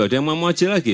ada yang mau maju lagi